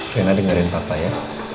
rina dengerin papa ya